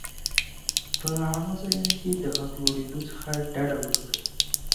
په عامه ځایونو کې د غږ لوړېدو څخه ډډه وکړه.